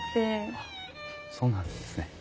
あそうなんですね。